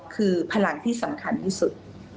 คือพลังที่สำคัญที่สุด